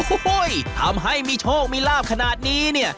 โอ้โหทำให้มีโชคมีลาบขนาดนี้เนี่ย